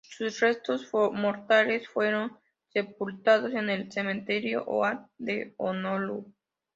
Sus restos mortales fueron sepultados en el "Cementerio Oahu", de Honolulu.